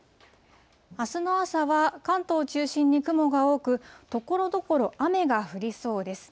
あすの朝は関東を中心に雲が多く、ところどころ、雨が降りそうです。